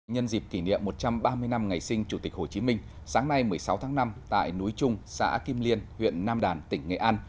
nhân dịp kỷ niệm một trăm ba mươi năm ngày sinh chủ tịch hồ chí minh sáng nay một mươi sáu tháng năm tại núi trung xã kim liên huyện nam đàn tỉnh nghệ an